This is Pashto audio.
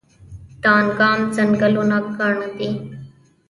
دانګام ځنګلونه ګڼ دي؟